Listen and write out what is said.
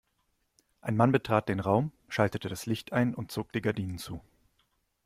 Ein Mann betrat den Raum, schaltete das Licht ein und zog die Gardinen zu.